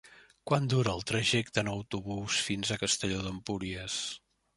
Quant dura el trajecte en autobús fins a Castelló d'Empúries?